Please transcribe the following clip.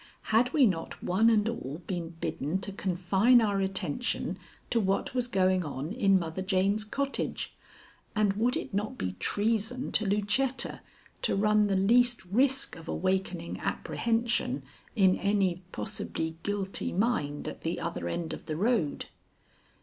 Had we not one and all been bidden to confine our attention to what was going on in Mother Jane's cottage, and would it not be treason to Lucetta to run the least risk of awakening apprehension in any possibly guilty mind at the other end of the road?